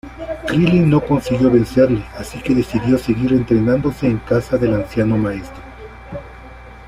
Krilin no consiguió vencerle, así que decidió seguir entrenándose en casa del anciano maestro.